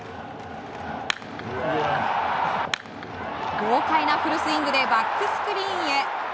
豪快なフルスイングでバックスクリーンへ。